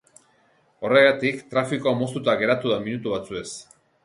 Horregatik, trafikoa moztuta geratu da minutu batzuez.